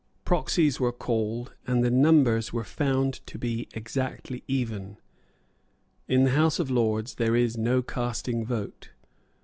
Proxies were called; and the numbers were found to be exactly even. In the House of Lords there is no casting vote.